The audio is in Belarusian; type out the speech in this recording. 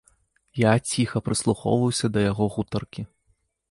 Я ціха прыслухоўваўся да яго гутаркі.